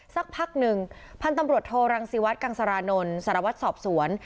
สักพักหนึ่งพันธุ์ตำรวจโทรังศิวัฒนกังสรานนท์สารวัตรสอบสวน